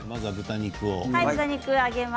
豚肉を。